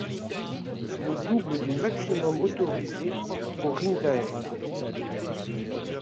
C'est le double du maximum autorisé pour Rijndael.